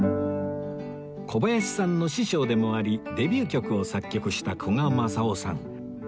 小林さんの師匠でもありデビュー曲を作曲した古賀政男さん